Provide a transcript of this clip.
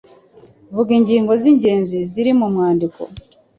Vuga ingingo z’ingenzi ziri mu mwandiko?